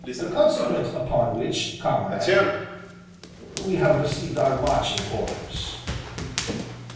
Consequent upon which, comrade we have received our marching orders."